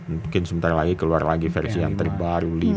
mungkin sebentar lagi keluar lagi versi yang terbaru lima